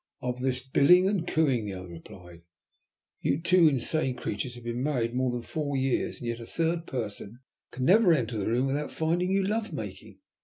"Of this billing and cooing," the other replied. "You two insane creatures have been married more than four years, and yet a third person can never enter the room without finding you love making.